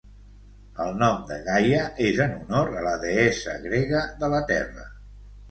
El nom de Gaia és en honor a la deessa grega de la Terra.